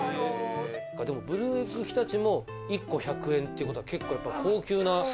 でもブルーエッグひたちも１個１００円っていう事は結構やっぱり高級な。